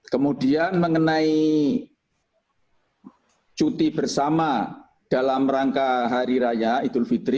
kemudian mengenai cuti bersama dalam rangka hari raya idul fitri